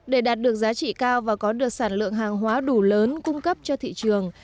để đạt được giá trị cao và có được sản lượng hàng hóa đủ lớn cung cấp cho thị trường